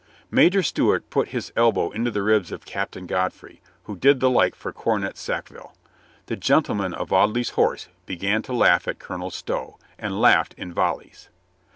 Major Stewart put his elbow into the ribs of Cap tain Godfrey, who did the like for Cornet Sackville. The gentlemen of Audley's Horse began to laugh at Colonel Stow, and laughed in volleys.